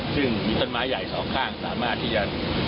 ซึ่งมีต้นไม้ใหญ่สองข้างสามารถที่จะ